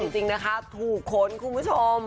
จริงถูกโค้นคุณผู้ชม